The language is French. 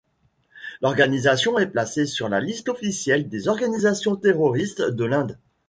L'organisation est placée sur la liste officielle des organisations terroristes de l'Inde.